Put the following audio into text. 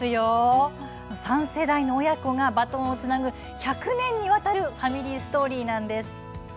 ３世代の親子がバトンをつなぐ１００年にわたるファミリーストーリーなんです。